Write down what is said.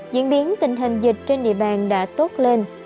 diễn biến tình hình dịch trên địa bàn đã tốt lên